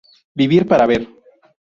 ¡Vivir para ver!